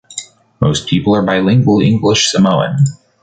Most people are bilingual English/Samoan.